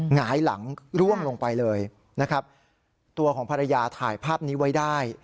หงายหลังร่วงลงไปเลยนะครับตัวของภรรยาถ่ายภาพนี้ไว้ได้